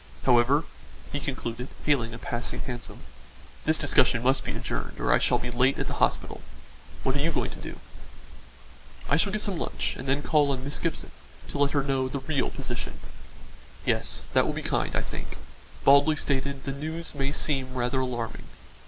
However," he concluded, hailing a passing hansom, "this discussion must be adjourned or I shall be late at the hospital. What are you going to do?" "I shall get some lunch and then call on Miss Gibson to let her know the real position." "Yes, that will be kind, I think; baldly stated, the news may seem rather alarming.